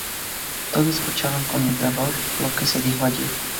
Todos escucharon con terror lo que se dijo allí.